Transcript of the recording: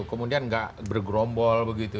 kemudian tidak bergrombol begitu